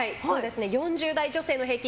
４０代女性の平均